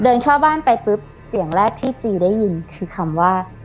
เดินเข้าบ้านไปปุ๊บเสียงแรกที่จีได้ยินคือคำว่า